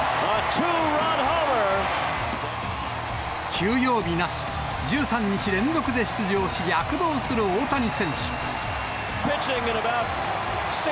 休養日なし、１３日連続で出場し、躍動する大谷選手。